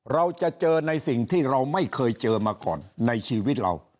เราจะเจอในสิ่งที่เราไม่เคยเจอมาก่อนในชีวิตเรา